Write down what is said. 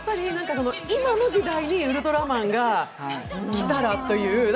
今の時代にウルトラマンが来たらという。